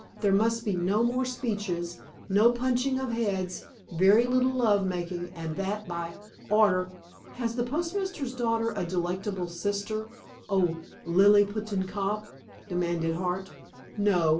There must be no more speeches, no punching of heads, very little love making, and that by order—" "Has the postmaster's daughter a delectable sister, O Liliputian cop?" demanded Hart. "No.